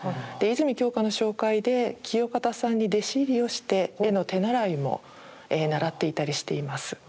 泉鏡花の紹介で清方さんに弟子入りをして絵の手習いも習っていたりしています。